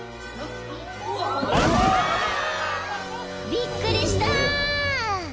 ［びっくりした！］